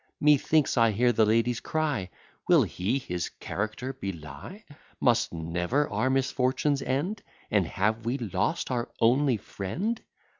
Methinks I hear the ladies cry, Will he his character belie? Must never our misfortunes end? And have we lost our only friend?